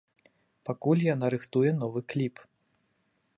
Пакуль яна рыхтуе новы кліп.